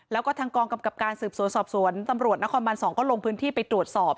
แล้วก็ทางกองกำกับการสืบสวนสอบสวนตำรวจนครบัน๒ก็ลงพื้นที่ไปตรวจสอบ